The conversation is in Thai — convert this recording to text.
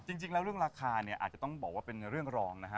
จริงแล้วเรื่องราคาเนี่ยอาจจะต้องบอกว่าเป็นเรื่องรองนะฮะ